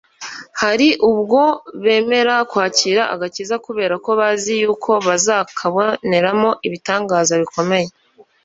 Hari ubwo bemera kwakira agakiza kubera ko bazi yuko bazakaboneramo ibitangaza bikomeye